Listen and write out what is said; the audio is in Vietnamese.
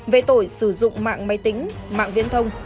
về tội sử dụng mạng máy tính mạng viễn thông